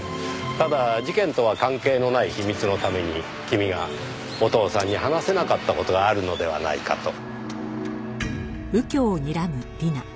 ただ事件とは関係のない秘密のために君がお父さんに話せなかった事があるのではないかと。